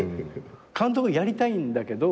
監督をやりたいんだけど。